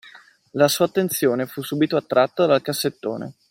La sua attenzione fu subito attratta dal cassettone.